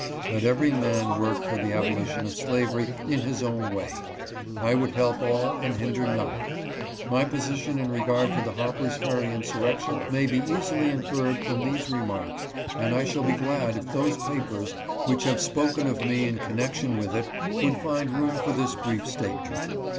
Let every man work for the abolition of slavery in his own way. I would help all and hinder none. My position in regard to the Harper's Ferry insur rection may be easily inferred from these remarks, and I shall be glad 382 BUCHANAN AND WISE. if those papers which have spoken of me in connection with it would find room for this brief statement.